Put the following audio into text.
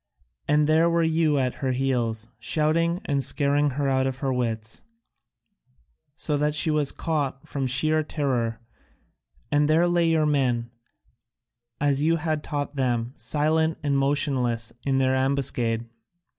And there were you at her heels, shouting and scaring her out of her wits, so that she was caught from sheer terror, and there lay your men, as you had taught them, silent and motionless in their ambuscade.